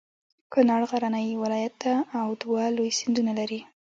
کنړ غرنی ولایت ده او دوه لوی سیندونه لري.